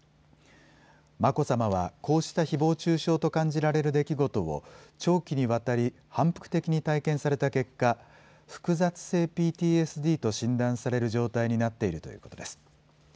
眞子さまは、こうしたひぼう中傷と感じられる出来事を、長期にわたり、反復的に体験された結果、複雑性ＰＴＳＤと診断される状態になっているということです。